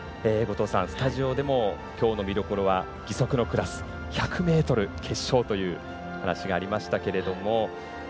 スタジオでもきょうの見どころは義足のクラス１００ｍ決勝という話がありましたが。